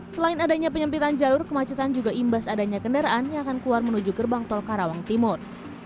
selain adanya penyempitan jalur kemacetan juga imbas adanya kendaraan yang akan keluar menuju gerbang tol karawang timur